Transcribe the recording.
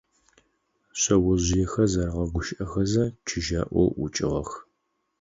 Шъэожъыехэр зэрэгъэгущыӀэхэзэ чыжьаӀоу ӀукӀыгъэх.